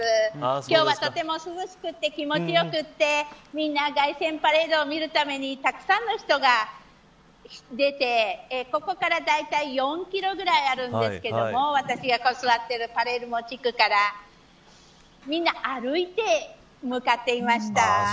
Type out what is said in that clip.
今日はとても涼しくて気持ち良くてみんな凱旋パレードを見るためにたくさんの人が出てここからだいたい４キロほどあるんですが私が座っているパレルモ地区からみんな歩いて向かっていました。